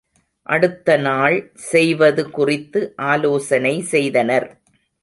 அடுத்த நாள் செய்வது குறித்து ஆலோசனை செய்தனர்.